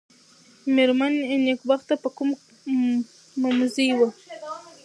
مېرمن نېکبخته په قوم مموزۍ وه.